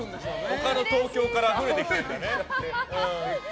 他の東京からあふれてきたんだね。